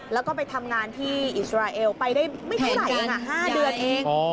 แล้วก็ไปทำงานที่อิสราเอลไปได้ไม่เท่าไหร่เอง๕เดือนเอง